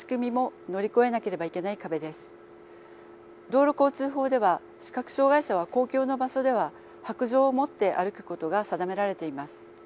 道路交通法では視覚障害者は公共の場所では白杖を持って歩くことが定められています。